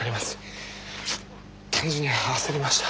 単純に焦りました。